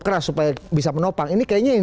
keras supaya bisa menopang ini kayaknya yang